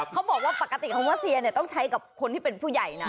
เขาบอกว่าปกติคำว่าเซียเนี่ยต้องใช้กับคนที่เป็นผู้ใหญ่นะ